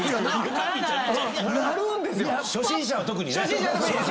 初心者は特に！